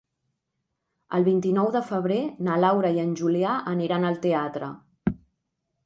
El vint-i-nou de febrer na Laura i en Julià aniran al teatre.